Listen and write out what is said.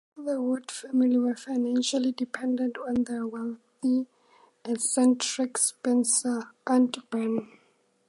The Wood family were financially dependent on their wealthy, eccentric spinster Aunt Ben.